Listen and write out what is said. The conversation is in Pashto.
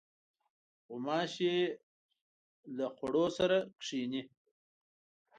غوماشې له خوړو سره ناستېږي.